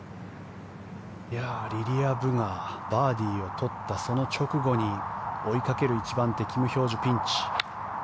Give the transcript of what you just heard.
リリア・ブがバーディーを取ったその直後に追いかける１番手キム・ヒョージュ、ピンチ。